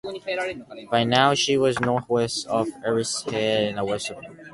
By now she was northwest of Erris Head in the west of Ireland.